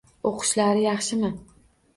O’qishlarila yaxshimi?